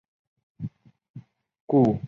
顾悌对待妻子礼貌有则。